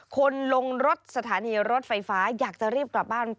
คนลงรถสถานีรถไฟฟ้าอยากจะรีบกลับบ้าน